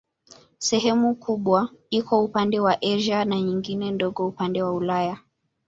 Sehemu kubwa iko upande wa Asia na nyingine ndogo upande wa Ulaya.